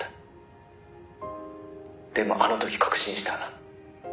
「でもあの時確信した」